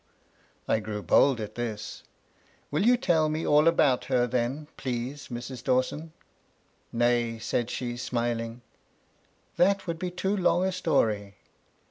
I grew bold at this. ^^ Will you tell me all about her then, please Mrs. Dawson r "Nay," said she, smiling, "that would be too long a story.